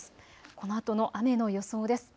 このあとの雨の予想です。